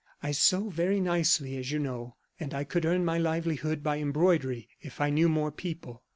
I sew very nicely, as you know, and I could earn my livelihood by embroidery if I knew more people.